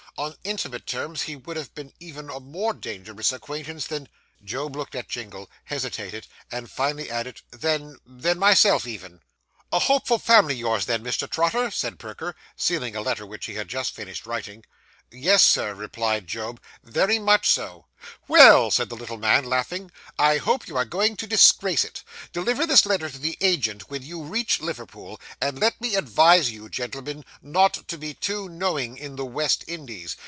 On intimate terms he would have been even a more dangerous acquaintance than ' Job looked at Jingle, hesitated, and finally added, 'than than myself even.' 'A hopeful family yours, Mr. Trotter,' said Perker, sealing a letter which he had just finished writing. 'Yes, Sir,' replied Job. 'Very much so.' 'Well,' said the little man, laughing, 'I hope you are going to disgrace it. Deliver this letter to the agent when you reach Liverpool, and let me advise you, gentlemen, not to be too knowing in the West Indies.